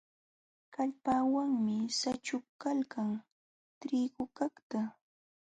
Kallpawanmi saćhuykalkan trigukaqta.